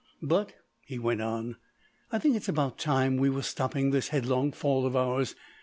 "But," he went on, "I think it's about time we were stopping this headlong fall of ours.